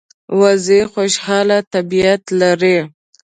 وزې خوشاله طبیعت لري